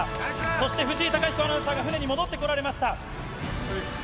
そして藤井貴彦アナウンサーが船に戻ってこられました。